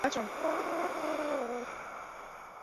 যেটা মিস করেছ সেটা হলো দু মাসের মধ্যে নির্বাচন।